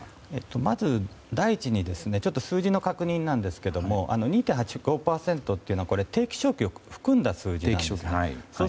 まず第一に数字の確認なんですけども２．８５％というのはこれ、定期昇給を含んだ数字なんです。